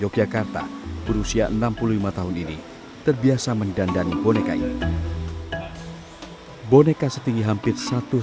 pake ala pake ala rola rola pindah kau